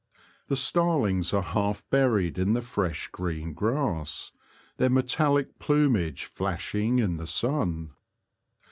The starlings are half buried in the fresh green grass, their metallic plumage flashing in the sun.